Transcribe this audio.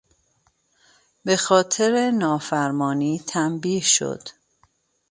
به خاطر نافرمانی تنبیه شد.